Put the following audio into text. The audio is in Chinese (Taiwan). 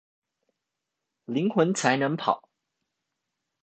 靈魂才能跑